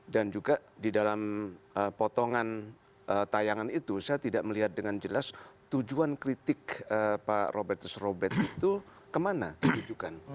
dan juga di dalam potongan tayangan itu saya tidak melihat dengan jelas tujuan kritik pak robertus robert itu kemana diujukan